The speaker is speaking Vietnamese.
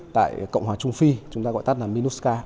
tại cộng hòa trung phi chúng ta gọi tắt là minusca